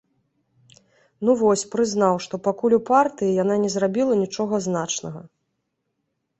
Ну, вось, прызнаў, што пакуль ў партыі, яна не зрабіла нічога значнага.